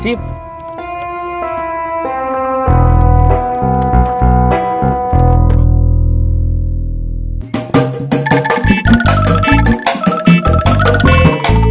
sampai kang komar